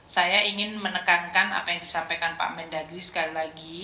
saya ingin menekankan apa yang disampaikan pak mendagri sekali lagi